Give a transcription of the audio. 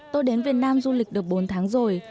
tôi đến việt nam du lịch được bốn tháng rồi